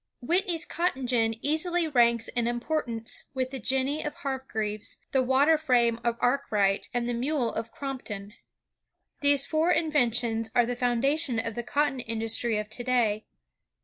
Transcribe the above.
Whitney's cotton gin easily ranks in importance with the jenny of Har greaves, the water frame of Ark wright, and the mule of Crompton. These four inven tions are the foundation of the cotton industry of to day.